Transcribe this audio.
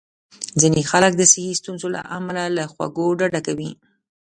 ځینې خلک د صحي ستونزو له امله له خوږو ډډه کوي.